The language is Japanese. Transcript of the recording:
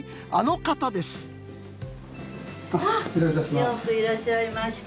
よくいらっしゃいました。